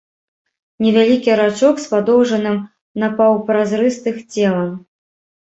Невялікі рачок з падоўжаным напаўпразрыстых целам.